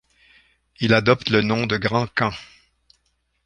Il adopte le nom de Grand Khân.